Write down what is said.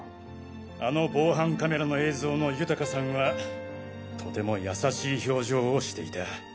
あの防犯カメラの映像の豊さんはとても優しい表情をしていた。